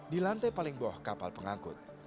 di lantai paling bawah kapal pengangkut